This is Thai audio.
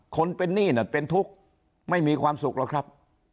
คนเป็นหนี้น่ะเป็นทุกข์ไม่มีความสุขหรอกครับ